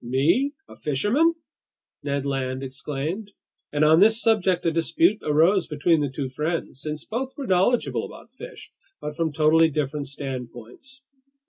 "Me? A fisherman!" Ned Land exclaimed. And on this subject a dispute arose between the two friends, since both were knowledgeable about fish, but from totally different standpoints.